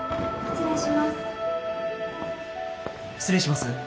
失礼します。